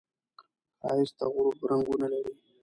ښایست د غروب رنګونه لري